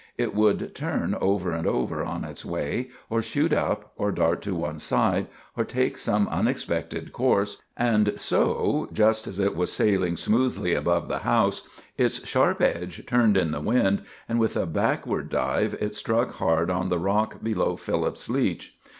It would turn over and over on its way, or shoot up, or dart to one side, or take some unexpected course; and so just as it was sailing smoothly above the house, its sharp edge turned in the wind, and with a backward dive it struck hard on the rock below Philip's leach.